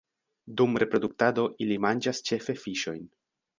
Dum reproduktado ili manĝas ĉefe fiŝojn.